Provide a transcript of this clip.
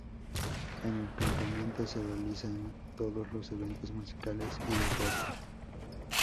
En el campamento se realiza en todos los eventos musicales y de teatro.